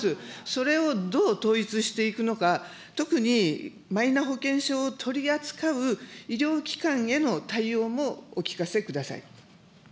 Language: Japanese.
それをどう統一していくのか、特にマイナ保険証を取り扱う医療機関への対応もお聞かせください。